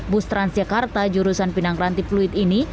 bus transjakarta jurusan pinang ranti fluid ini